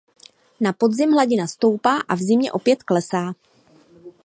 Na podzim hladina stoupá a v zimě opět klesá.